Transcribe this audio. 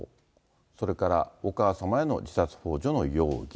それからお母様への自殺ほう助の容疑。